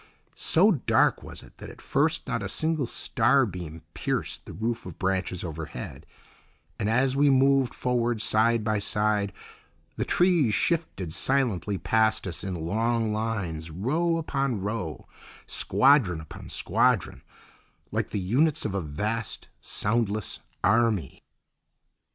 So dark was it that, at first, not a single star beam pierced the roof of branches overhead; and, as we moved forward side by side, the trees shifted silently past us in long lines, row upon row, squadron upon squadron, like the units of a vast, soundless army.